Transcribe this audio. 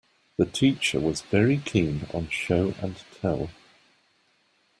The teacher was very keen on Show and Tell.